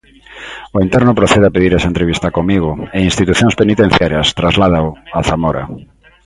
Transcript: O interno procede a pedir esa entrevista comigo, e Institucións Penitenciarias trasládao a Zamora.